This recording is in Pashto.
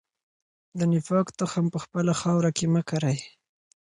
د نفاق تخم په خپله خاوره کې مه کرئ.